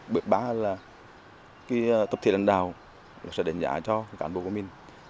bước ba là tập thể lãnh đạo sẽ đánh giá cho cán bộ của mình